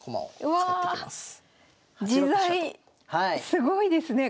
すごいですね。